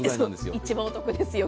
一番お得ですよ。